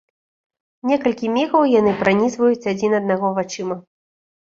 Некалькі мігаў яны пранізваюць адзін аднаго вачыма.